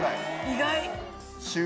意外！